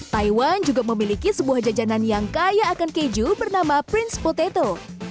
taiwan juga memiliki sebuah jajanan yang kaya akan keju bernama prince poteto